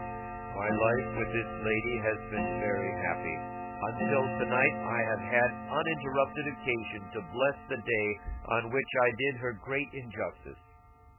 'My life with this lady has been very happy. Until tonight, I have had uninterrupted occasion to bless the day on which I did her great injustice.